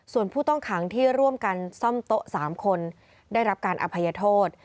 ส่วนผู้ต้องขังที่ร่วมกันซ่อมโต๊ะ๓คนได้รับการอภัยโทษ